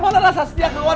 mana rasa setia keuang kamu